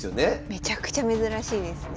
めちゃくちゃ珍しいですね。